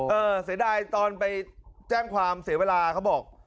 เสียดายตอนไปแจ้งความเสียเวลาเขาบอก